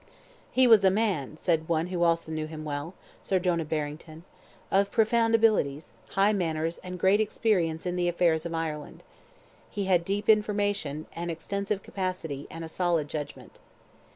"He was a man," said one who also knew him well, Sir Jonah Barrington, "of profound abilities, high manners, and great experience in the affairs of Ireland. He had deep information, an extensive capacity, and a solid judgment."